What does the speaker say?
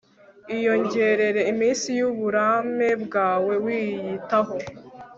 Iyongerere iminsi yuburame bwawe wiyitaho